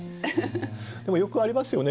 でもよくありますよね。